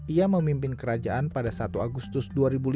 ia memimpin kerajaan pada satu agustus dua ribu lima